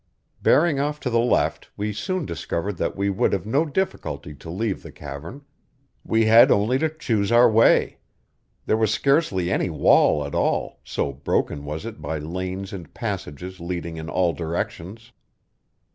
Bearing off to the left, we soon discovered that we would have no difficulty to leave the cavern; we had only to choose our way. There was scarcely any wall at all, so broken was it by lanes and passages leading in all directions.